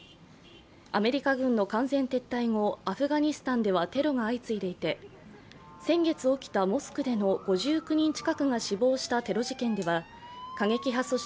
アメリカ軍の完全撤退後、アフガニスタンではテロが相次いでいて、先月起きたモスクでも５９人近くが死亡したテロ事件では過激派組織